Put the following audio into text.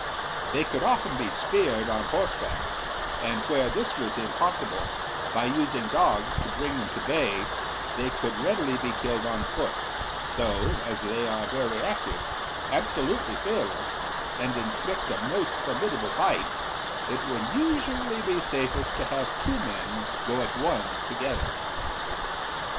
They could often be speared on horseback, and where this was impossible, by using dogs to bring them to bay they could readily be killed on foot; though, as they are very active, absolutely fearless, and inflict a most formidable bite, it would usually be safest to have two men go at one together.